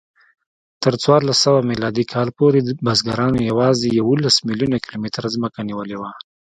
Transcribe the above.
تر څوارلسسوه میلادي کال پورې بزګرانو یواځې یوولس میلیونه کیلومتره ځمکه نیولې وه.